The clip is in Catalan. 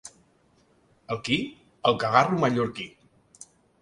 El qui? —El cagarro mallorquí.